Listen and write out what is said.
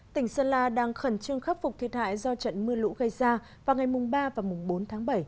tỉnh sơn la đang khẩn trương khắc phục thiệt hại do trận mưa lũ gây ra vào ngày ba và bốn tháng bảy